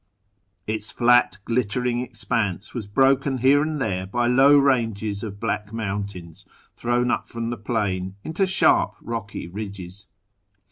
Its flat glitter ing expanse was broken here and there by low ranges of black mountains thrown up from the plain into sharp rocky ridges.